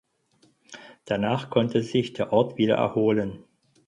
Danach konnte sich der Ort wieder erholen.